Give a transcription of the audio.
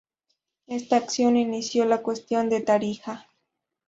Esta acción inició la Cuestión de Tarija.